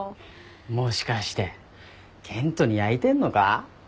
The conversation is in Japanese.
もしかして健人にやいてんのか？